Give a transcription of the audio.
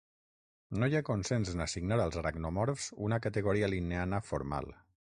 No hi ha consens en assignar als aracnomorfs una categoria linneana formal.